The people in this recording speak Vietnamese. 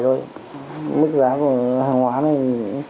giá đông giá của hàng hóa này